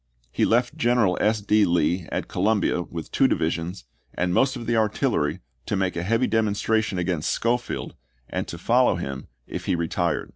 He left General S. D. Lee at Columbia with two divisions and most of the artillery to make a heavy demonstration against Schofield and to follow him if he retired.